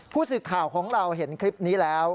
ผู้สื่อข่าวของเราเห็นคลิปนี้แล้ว